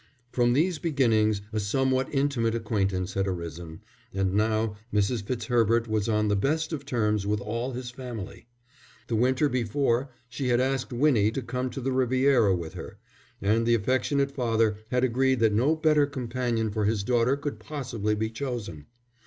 From these beginnings a somewhat intimate acquaintance had arisen, and now Mrs. Fitzherbert was on the best of terms with all his family. The winter before she had asked Winnie to come to the Riviera with her, and the affectionate father had agreed that no better companion for his daughter could possibly be chosen.